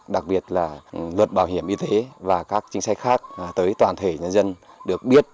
đặc biệt là luật bảo hiểm y tế và các chính sách khác tới toàn thể nhân dân được biết